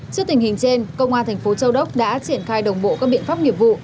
trước tình hình trên công an tp châu đốc đã triển khai đồng bộ các biện pháp nghiệp vụ